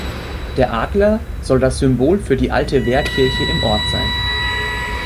Der Adler soll das Symbol für die alte Wehrkirche im Ort sein.